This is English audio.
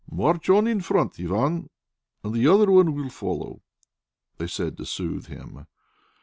"March on in front, Ivan, and the other one will follow," they said to soothe him.